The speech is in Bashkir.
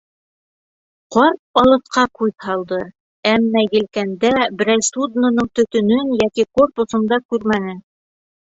Ҡарт алыҫҡа күҙ һалды, әммә елкәндә, берәй судноның төтөнөн йәки корпусын да күрмәне.